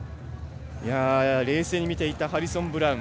冷静に見ていたハリソン・ブラウン。